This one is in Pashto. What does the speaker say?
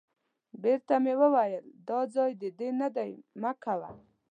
بیرته یې وویل دا ځای د دې نه دی مه کوه.